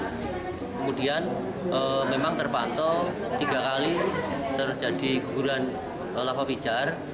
kemudian memang terpantau tiga kali terjadi guguran lava pijar